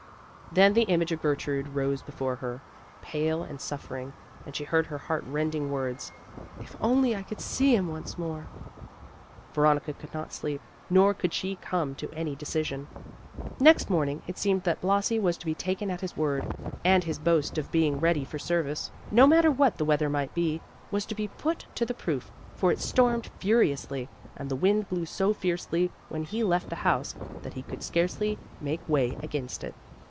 Then the image of Gertrude rose before her, pale and suffering, and she heard her heart rending words, "If I could only see him once more!" Veronica could not sleep, nor could she come to any decision. Next morning it seemed that Blasi was to be taken at his word, and his boast of being ready for service, no matter what the weather might be, was to be put to the proof; for it stormed furiously and the wind blew so fiercely when he left the house, that he could scarcely make way against it.